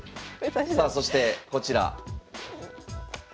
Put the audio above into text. さあそしてこちら。